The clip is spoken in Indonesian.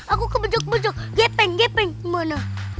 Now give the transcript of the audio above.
aku kebojok bojok gepeng gepeng gimana